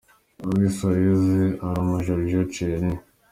Luis Suarez aruma Giorgio Chiellini.